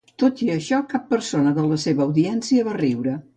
Tot i això, cap persona de la seva audiència va riure.